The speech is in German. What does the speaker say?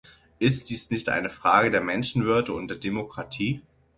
Ist dies nicht eine Frage der Menschenwürde und der Demokratie?